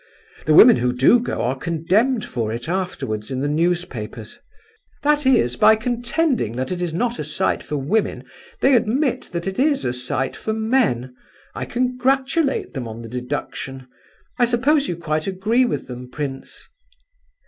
The women who do go are condemned for it afterwards in the newspapers." "That is, by contending that it is not a sight for women they admit that it is a sight for men. I congratulate them on the deduction. I suppose you quite agree with them, prince?"